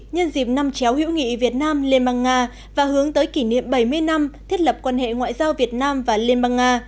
nhân dịp năm chéo hữu nghị việt nam liên bang nga và hướng tới kỷ niệm bảy mươi năm thiết lập quan hệ ngoại giao việt nam và liên bang nga